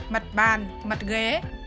mặt bàn mặt ghế